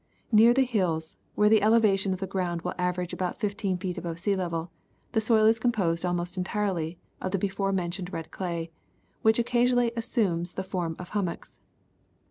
Near the hills, where the elevation of the ground will average about fifteen feet above sea level, the soil is composed almost entirely of the before mentioned red clay, which occasionally assumes the form of hummocks.